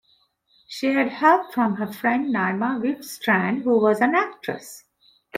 She had help from her friend Naima Wifstrand, who was an actress.